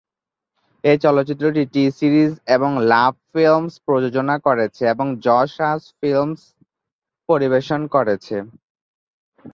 এই চলচ্চিত্রটি টি-সিরিজ এবং লাভ ফিল্মস প্রযোজনা করেছে এবং যশ রাজ ফিল্মস পরিবেশন করেছে।